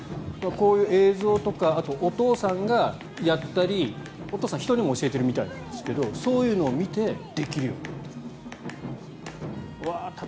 こういう映像とかあと、お父さんがやったりお父さん、人にも教えているみたいなんですけどそういうのを見てできるようになった。